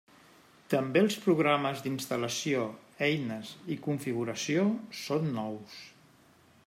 També els programes d'instal·lació, eines i configuració són nous.